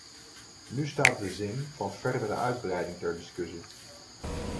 Nu staat de zin van verdere uitbreiding ter discussie.